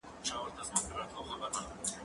هغه وويل چي مڼې صحي دي؟